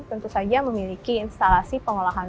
tentu saja memiliki instalasi pengolahan